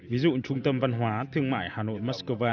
ví dụ trung tâm văn hóa thương mại hà nội moscow